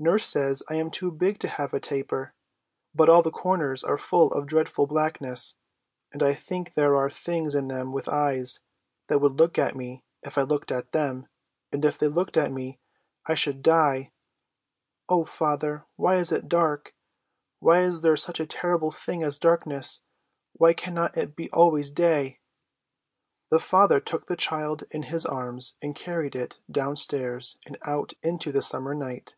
Nurse says I am too big to have a taper; but all the corners are full of dreadful blackness, and I think there are Things in them with eyes, that would look at me if I looked at them; and if they looked at me I should die. Oh, father, why is it dark? why is there such a terrible thing as darkness? why cannot it be always day?" The father took the child in his arms and carried it downstairs and out into the summer night.